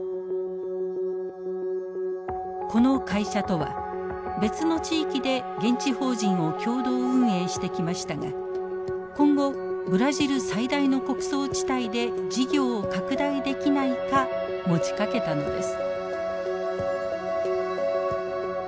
この会社とは別の地域で現地法人を共同運営してきましたが今後ブラジル最大の穀倉地帯で事業を拡大できないか持ちかけたのです。